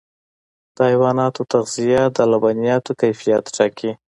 د حیواناتو تغذیه د لبنیاتو کیفیت ټاکي.